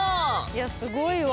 いやすごいわ。